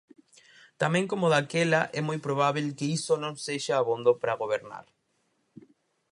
Tamén como daquela, é moi probábel que iso non sexa abondo para gobernar.